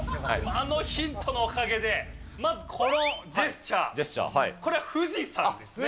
あのヒントのおかげで、まずこのジェスチャー、これ、富士山ですね。